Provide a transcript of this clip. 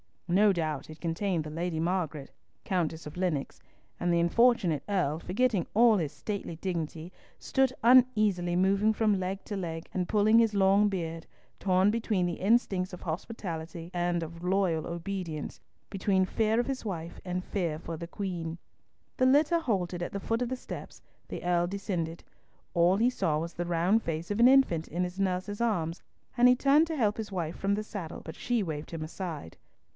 No doubt it contained the Lady Margaret, Countess of Lennox; and the unfortunate Earl, forgetting all his stately dignity, stood uneasily moving from leg to leg, and pulling his long beard, torn between the instincts of hospitality and of loyal obedience, between fear of his wife and fear of the Queen. The litter halted at the foot of the steps, the Earl descended. All he saw was the round face of an infant in its nurse's arms, and he turned to help his wife from the saddle, but she waved him aside.